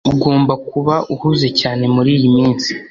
ugomba kuba uhuze cyane muriyi minsi